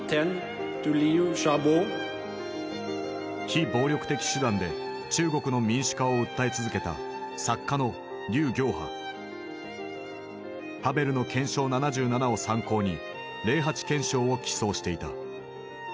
非暴力的手段で中国の民主化を訴え続けたハヴェルの「憲章７７」を参考に「零八憲章」を起草していた。